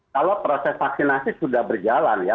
kalau proses vaksinasi sudah berjalan ya